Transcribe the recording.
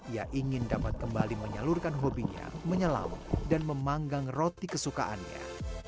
ia ingin dapat kembali menyalurkan hobinya menyelam dan memanggang roti kesukaannya